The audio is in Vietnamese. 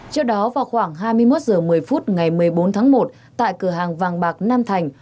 trước đó vào khoảng hai mươi một h một mươi phút ngày một mươi bốn tháng một tại cửa hàng vàng bạc nam thành